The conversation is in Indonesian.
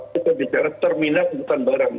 kita bicara terminal hutan barang